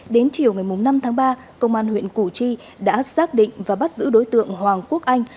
đến chiều ngày năm tháng ba công an huyện củ chi đã xác định và bắt giữ đối tượng hoàng quốc anh